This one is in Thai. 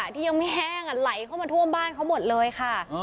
ที่ยังไม่แห้งไหลเข้ามาท่วมบ้านเขาหมดเลยค่ะ